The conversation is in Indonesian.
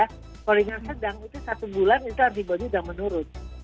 kalau ringan sedang itu satu bulan itu antibody sudah menurun